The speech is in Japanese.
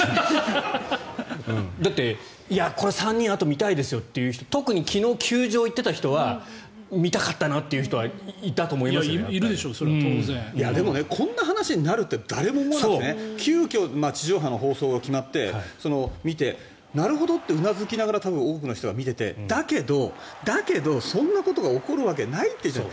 だってこれあと３人見たいですよという人特に昨日、球場に行っていた人は見たかったなという人はでも、こんな話になるって誰も思わなくて、急きょ地上波の放送が決まって、見てなるほどってうなずきながら多くの人が見ていてだけど、そんなことが起こるわけないって。